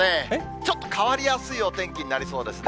ちょっと変わりやすいお天気になりそうですね。